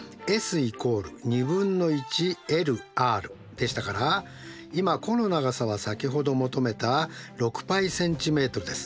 でしたから今弧の長さは先ほど求めた６πｃｍです。